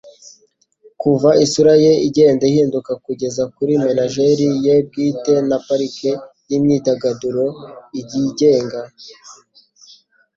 Kuva isura ye igenda ihinduka kugeza kuri menagerie ye bwite na parike yimyidagaduro yigenga,